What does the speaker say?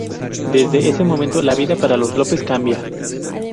Desde ese momento la vida para los López cambia.